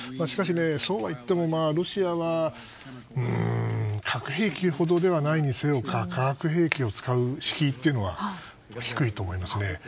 しかし、そうはいってもロシアは核兵器ほどではないにせよ化学兵器を使う敷居っていうのは低いと思いますね。